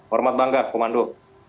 hormat bangga komando